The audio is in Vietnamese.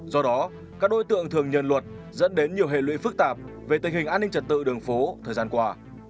do đó các đối tượng thường nhận luật dẫn đến nhiều hệ lụy phức tạp về tình hình an ninh trật tự đường phố thời gian qua